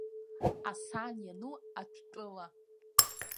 Асаан иану атә-тәыла.